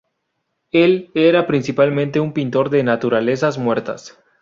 Él era principalmente un pintor de naturalezas muertas.